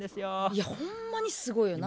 いやほんまにすごいよな。